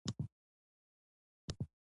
هغه له لابراتوار او کتابتون څخه استفاده کوي.